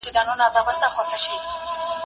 زه به اوږده موده شګه پاکه کړې وم؟